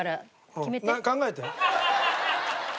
考えて。